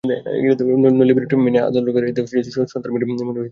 নইলে বিরোধটি নিয়ে আদালতে গেলে এতে সন্তানের মনে বিরূপ প্রতিক্রিয়া হতে পারে।